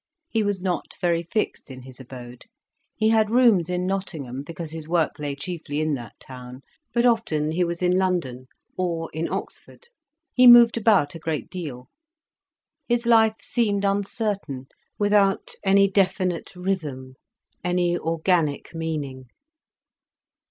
He was not very fixed in his abode. He had rooms in Nottingham, because his work lay chiefly in that town. But often he was in London, or in Oxford. He moved about a great deal, his life seemed uncertain, without any definite rhythm, any organic meaning.